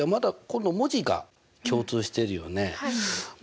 今度文字が共通してるよね。